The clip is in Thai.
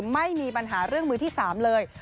ไม่มีปัญหาเรื่องมือที่๓เลย